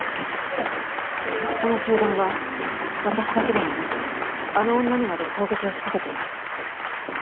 その集団は私だけではなくあの女にまで攻撃を仕掛けていました。